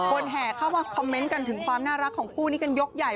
แห่เข้ามาคอมเมนต์กันถึงความน่ารักของคู่นี้กันยกใหญ่